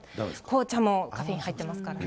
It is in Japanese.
紅茶もカフェイン入ってますからね。